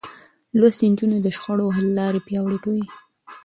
لوستې نجونې د شخړو حل لارې پياوړې کوي.